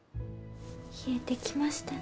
冷えてきましたね